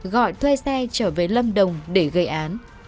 gọi thuê xe trở về lâm đồng để gây án